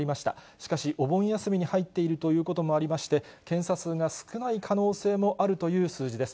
しかし、お盆休みに入っているということもありまして、検査数が少ない可能性もあるという数字です。